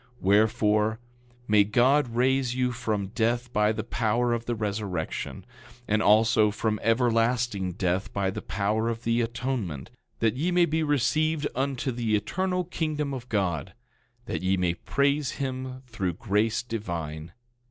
10:25 Wherefore, may God raise you from death by the power of the resurrection, and also from everlasting death by the power of the atonement, that ye may be received into the eternal kingdom of God, that ye may praise him through grace divine.